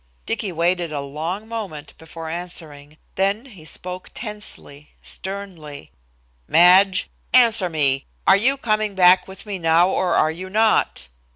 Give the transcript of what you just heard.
Dicky waited a long moment before answering, then he spoke tensely, sternly: "Madge, answer me, are you coming back with me now, or are you not?"